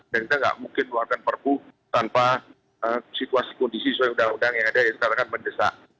dan kita nggak mungkin keluarkan prpu tanpa situasi kondisi sesuai udara udara yang ada yang dikatakan mendesak